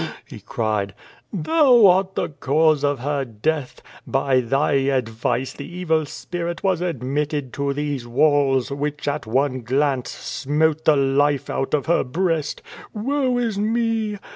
"Eheu!'^ he cried. "Thou art the cause of her death. By thy advice the evil spirit was admitted to these walls, which at one glance smote the life out of her breast. Woe is me!